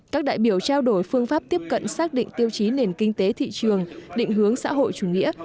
các đại biểu trao đổi phương pháp tiếp cận xác định tiêu chí nền kinh tế thị trường định hướng xã hội chủ nghĩa